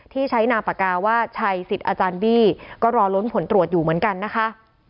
ที่ใช้นามปากกาว่าชัยสิทธิ์อาจารย์บี้ก็รอล้นผลตรวจอยู่เหมือนกันนะคะ